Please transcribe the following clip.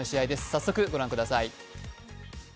早速ご覧ください。